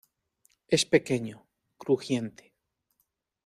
Es pequeño, crujiente.